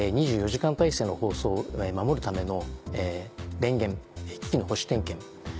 ２４時間体制の放送を守るための電源機器の保守点検